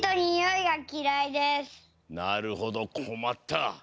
なるほどこまった。